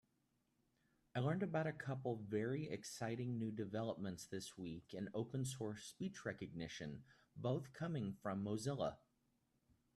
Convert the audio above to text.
I learned about a couple very exciting new developments this week in open source speech recognition, both coming from Mozilla.